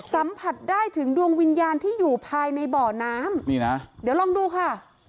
สัมผัสได้ถึงดวงวิญญาณที่อยู่ภายในบ่อน้ำนี่นะเดี๋ยวลองดูค่ะ